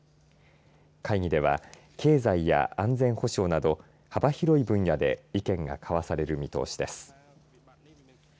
会議では経済や安全保障など幅広い分野で意見が交わされる見通しです。